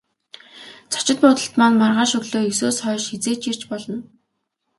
Зочид буудалд маань маргааш өглөө есөөс хойш хэзээ ч ирж болно.